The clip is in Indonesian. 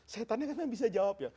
setannya kan bisa jawab ya